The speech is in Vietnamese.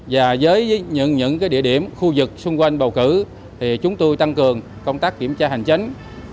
và với những địa điểm khu vực xung quanh bầu cử thì chúng tôi tăng cường công tác kiểm tra hành chính